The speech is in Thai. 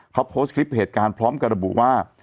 เขาโพสต์คลิปเหตุการณ์พร้อมกับระบุว่า